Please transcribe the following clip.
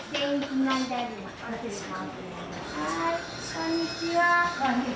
こんにちは。